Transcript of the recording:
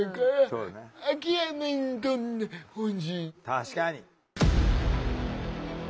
確かに。